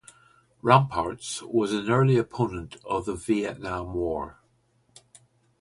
"Ramparts" was an early opponent of the Vietnam War.